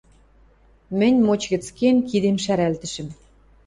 Мӹнь, моч гӹц кен, кидем шӓрӓлтӹшӹм: